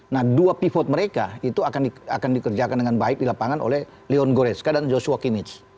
nah dua pivot mereka itu akan dikerjakan dengan baik di lapangan oleh leon goreska dan joshua kimich